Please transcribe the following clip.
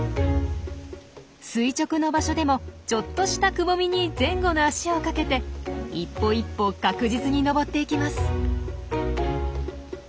垂直の場所でもちょっとしたくぼみに前後の脚を掛けて一歩一歩確実に登っていきます。